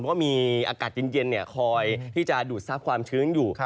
เพราะมีอากาศหยิ่นคอยที่จะดูดทรับความชื้น